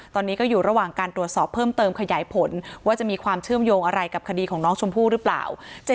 ตอนนี้ก็อยู่ระหว่างการตรวจสอบเพิ่มเติมขยายผลว่าจะมีความเชื่อมโยงอะไรกับคดีของน้องชมพู่หรือเปล่า